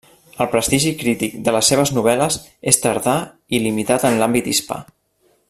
El prestigi crític de les seves novel·les és tardà i limitat en l'àmbit hispà.